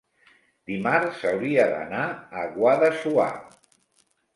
Dimarts hauria d'anar a Guadassuar.